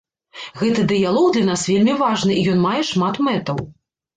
Гэты дыялог для нас вельмі важны, і ён мае шмат мэтаў.